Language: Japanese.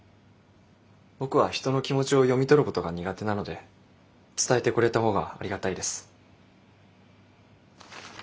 僕は人の気持ちを読み取ることが苦手なので伝えてくれた方がありがたいです。